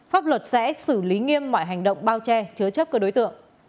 pháp luật sẽ xử lý nghiêm mọi hành động bao che chứa chấp các đối tượng